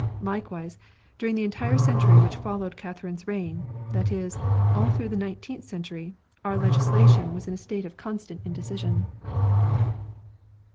Likewise, during the entire century which followed Catherine's reign, that is, all through the nineteenth century, our legislation was in a state of constant indecision.